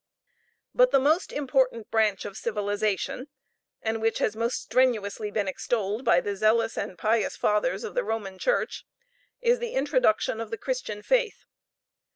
But the most important branch of civilization, and which has most strenuously been extolled by the zealous and pious fathers of the Roman Church, is the introduction of the Christian faith.